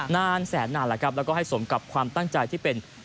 นานแสนนานแล้วครับแล้วก็ให้สมกับความตั้งใจที่เป็น